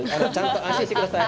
安心してください。